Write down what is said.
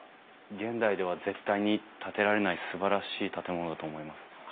現代では絶対に建てられないすばらしい建物だと思います。